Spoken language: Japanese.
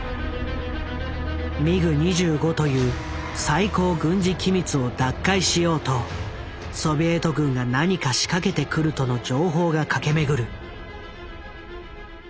ミグ２５という最高軍事機密を奪回しようとソビエト軍が何か仕掛けてくるとの情報が駆け巡る。